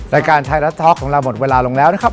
รายการไทยรัฐท็อกของเราหมดเวลาลงแล้วนะครับ